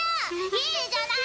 ⁉いいじゃない！